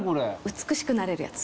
美しくなれるやつ。